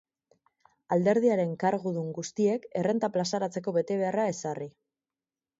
Alderdiaren kargudun guztiek errenta plazaratzeko betebeharra ezarri.